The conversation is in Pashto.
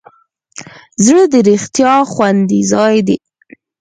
زړه د رښتیا خوندي ځای دی.